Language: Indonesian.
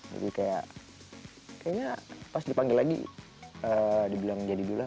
jadi kayaknya pas dipanggil lagi dibilang jadi dula